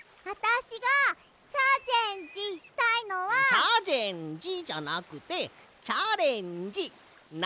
「チャジェンジ」じゃなくて「チャレンジ」な。